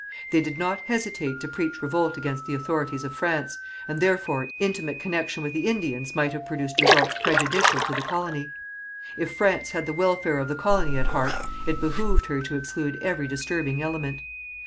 They did not hesitate to preach revolt against the authorities of France, and, therefore, intimate connection with the Indians might have produced results prejudicial to the colony. If France had the welfare of the colony at heart, it behooved her to exclude every disturbing element.